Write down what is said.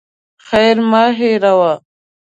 خير مه هېروه.